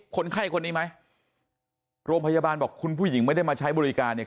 คนไข้คนนี้ไหมโรงพยาบาลบอกคุณผู้หญิงไม่ได้มาใช้บริการเนี่ย